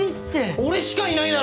俺しかいないだろ！